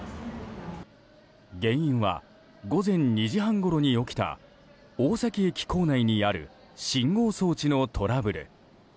原因は、午前２時半ごろに起きた大崎駅構内にある信号装置のトラブル。